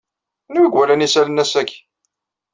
Anwa iwalan isallan ass-agi?